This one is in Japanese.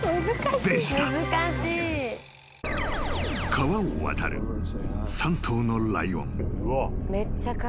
［川を渡る３頭のライオン］